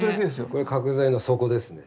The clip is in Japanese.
これ角材の底ですね。